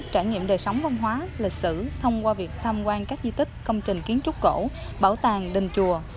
trải nghiệm đời sống văn hóa lịch sử thông qua việc tham quan các di tích công trình kiến trúc cổ bảo tàng đình chùa